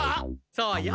そうよ。